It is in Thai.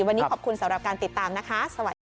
วันนี้ขอบคุณสำหรับการติดตามนะคะสวัสดีค่ะ